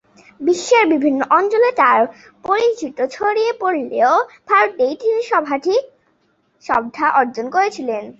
বিশ্বের বিভিন্ন অঞ্চলে তার পরিচিতি ছড়িয়ে পড়লেও, ভারতেই তিনি সর্বাধিক শ্রদ্ধা অর্জন করেছিলেন।